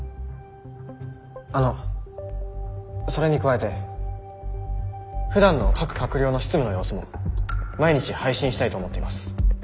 あのそれに加えてふだんの各官僚の執務の様子も毎日配信したいと思っています。